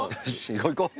行こう行こう。